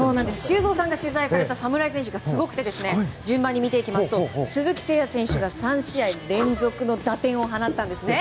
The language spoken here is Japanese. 修造さんが取材された侍選手がすごくて順番に見ていきますと鈴木誠也選手が３試合連続の打点を放ちました。